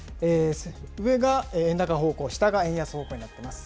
上が円高方向、下が円安方向になってます。